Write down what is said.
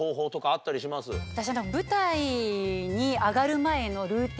私。